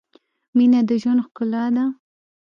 • مینه د ژوند ښکلا ده.